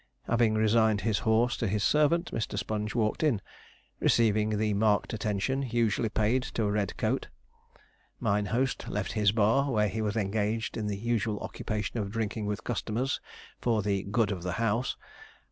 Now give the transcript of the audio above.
Having resigned his horse to his servant, Mr. Sponge walked in, receiving the marked attention usually paid to a red coat. Mine host left his bar, where he was engaged in the usual occupation of drinking with customers for the 'good of the house.'